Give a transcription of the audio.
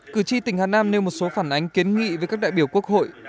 cử tri tỉnh hà nam nêu một số phản ánh kiến nghị với các đại biểu quốc hội